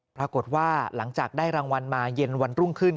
ปรากฏว่าหลังจากได้รางวัลมาเย็นวันรุ่งขึ้น